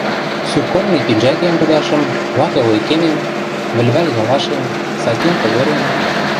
Суконный пинжӓкем кыдашым, лаковый кемем, вӹлвӓл ялашем, сатин тыгырем...